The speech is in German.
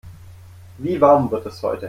Wie warm wird es heute?